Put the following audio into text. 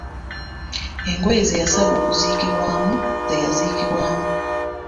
Engoye ze yasaba okumuziikamu, ze yaziikibwamu.